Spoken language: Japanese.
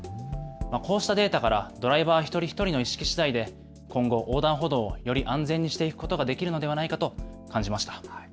こうしたデータからドライバー一人一人の意識しだいで今後横断歩道をより安全にしていくことができるのではないかと感じました。